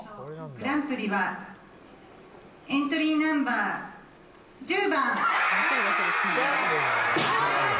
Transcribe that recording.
グランプリはエントリーナンバー１０番！